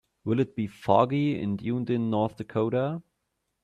Will it be foggy in Dunedin North Dakota?